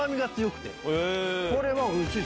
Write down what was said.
これはおいしい！